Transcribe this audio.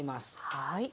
はい。